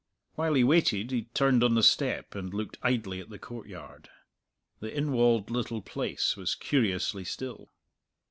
While he waited he turned on the step and looked idly at the courtyard. The inwalled little place was curiously still.